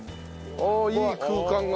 ああいい空間が！